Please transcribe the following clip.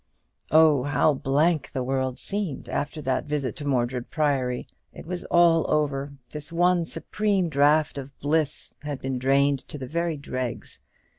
Oh, how blank the world seemed after that visit to Mordred Priory! It was all over. This one supreme draught of bliss had been drained to the very dregs.